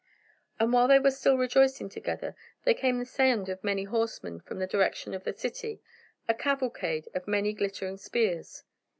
And, while they were still rejoicing together, there came the sound of many horsemen from the direction of the city, a cavalcade of many glittering spears.